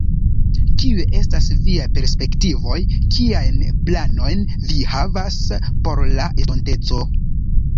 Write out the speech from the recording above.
Kiuj estas viaj perspektivoj, kiajn planojn vi havas por la estonteco?